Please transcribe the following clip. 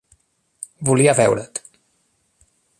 Volia veure't.